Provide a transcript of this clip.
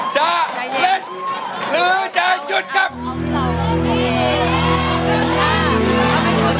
จะเล่นหรือจะหยุดครับ